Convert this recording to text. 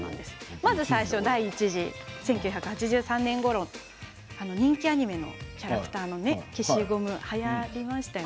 まず、第１次、１９８３年ごろ人気アニメのキャラクターのはやりました。